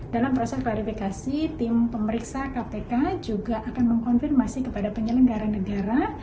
dalam proses klarifikasi tim pemeriksa kpk juga akan mengkonfirmasi kepada penyelenggara negara